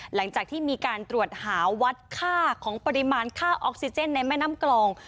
หลังจากที่มีการตรวจหาวัดค่าของปริมาณค่าออกซิเจนในแม่น้ำกลอง